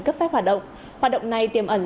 cấp phép hoạt động hoạt động này tiềm ẩn